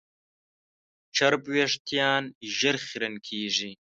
چرب وېښتيان ژر خیرن کېږي.